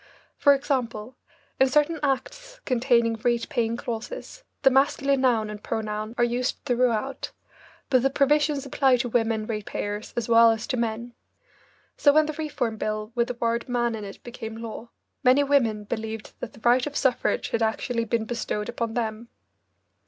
For example, in certain acts containing rate paying clauses, the masculine noun and pronoun are used throughout, but the provisions apply to women rate payers as well as to men. So when the Reform Bill with the word "man" in it became law, many women believed that the right of suffrage had actually been bestowed upon them.